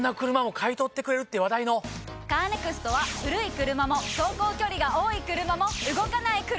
カーネクストは古い車も走行距離が多い車も動かない車でも。